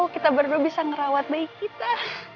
kita berdua bisa ngerawat bayi kita